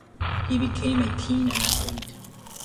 He became a keen athlete.